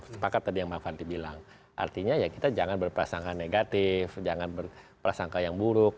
sepakat tadi yang bang fadli bilang artinya ya kita jangan berprasangka negatif jangan berprasangka yang buruk